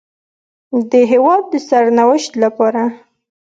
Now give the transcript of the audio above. د هېواد د سرنوشت لپاره